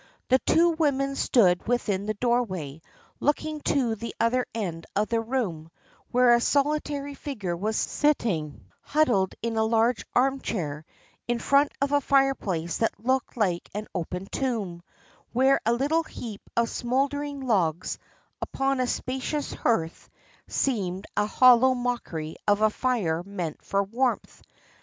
The two women stood within the doorway looking to the other end of the room, where a solitary figure was sitting, huddled in a large armchair, in front of a fireplace that looked like an open tomb, where a little heap of smouldering logs upon a spacious hearth seemed a hollow mockery of a fire meant for warmth.